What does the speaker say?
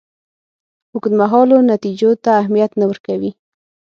اوږدمهالو نتیجو ته اهمیت نه ورکوي.